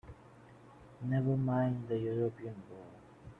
Never mind the European war!